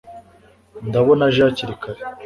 ndabona aje hakiri kare